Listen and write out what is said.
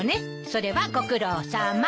それはご苦労さま。